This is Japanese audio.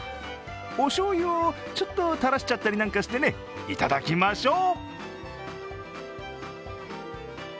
おしょうゆをちょっとたらしちゃったりなんかして、いただきましょう。